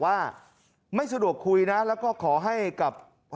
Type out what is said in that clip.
ว่าไม่ได้นิ่งนอนใจนะขนาดนี้